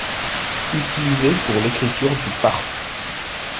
Utilisés pour l’écriture du parthe.